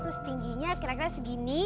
terus tingginya kira kira segini